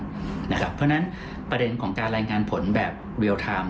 เพราะฉะนั้นประเด็นของการรายงานผลแบบเรียลไทม์